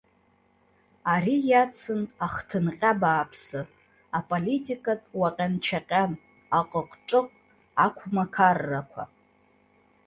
Ари иацын ахҭынҟьа бааԥсы, аполитикатә уаҟьан-чаҟьан, аҟыҟ-ҿыҟ, ақәмақаррақәа.